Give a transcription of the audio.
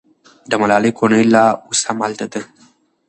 د ملالۍ کورنۍ لا اوس هم هلته ده.